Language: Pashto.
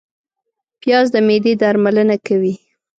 پیاز د معدې درملنه کوي